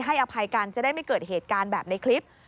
อภัยกันจะได้ไม่เกิดเหตุการณ์แบบในคลิป